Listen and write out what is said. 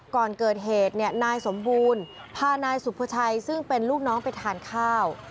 ก่อนเกิดเหตุนายสมบูรณ์พานายสุภาชัยซึ่งเป็นลูกน้องไปทานข้าว